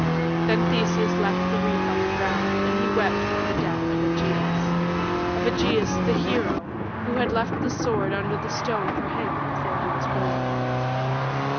Then Theseus left the wreath on the ground, and he wept for the death of Ægeus of Ægeus, the hero, who had left the sword under the stone for him before he was born.